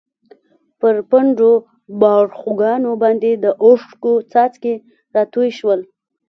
پر پڼډو باړخوګانو باندې د اوښکو څاڅکي راتوی شول.